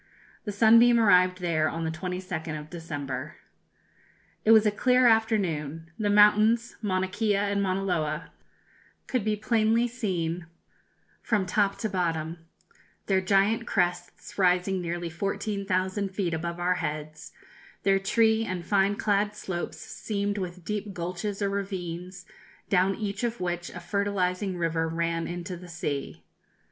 The Sunbeam arrived there on the 22nd of December. "It was a clear afternoon. The mountains, Mauna Kea and Mauna Loa, could be plainly seen from top to bottom, their giant crests rising nearly 14,000 feet above our heads, their tree and fine clad slopes seamed with deep gulches or ravines, down each of which a fertilizing river ran into the sea.